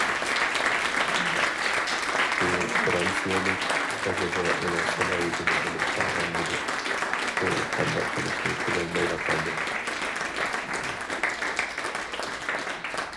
بۇ فىرانسىيەلىك ئەجەبا ئۇنىڭ سالاھىيىتىنى بىلىپ قالغانمىدۇ؟ ئۇ قانداق قىلىشنى بىلەلمەيلا قالدى.